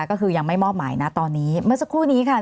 ก็คือยังไม่มอบหมายบังทุกวัน